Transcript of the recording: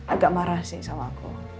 agak marah sih sama aku